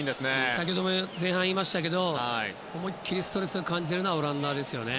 先ほども前半に言いましたけど思い切りストレスを感じているのはオランダですね。